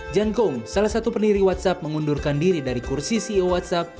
jan kong salah satu pendiri whatsapp mengundurkan diri dari kursi ceo whatsapp